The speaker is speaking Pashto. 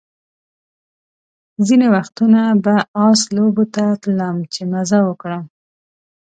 ځینې وختونه به آس لوبو ته تلم چې مزه وکړم.